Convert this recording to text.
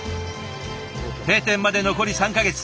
閉店まで残り３か月。